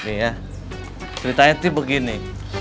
nih ya ceritanya tuh begini